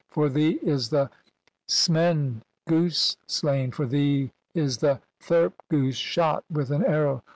For thee is the Smen 'goose slain, for thee is the Therp goose shot with 'an arrow.